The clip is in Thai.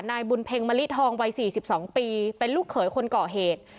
นายบุญเพ็งมะลิทองวัย๔๒ปีเป็นลูกเขยคนก่อเหตุ